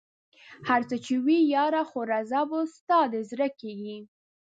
هر څه چې وي ياره خو رضا به ستا د زړه کېږي